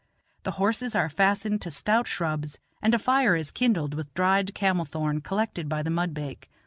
The horses are fastened to stout shrubs, and a fire is kindled with dried camel thorn collected by the mudbake.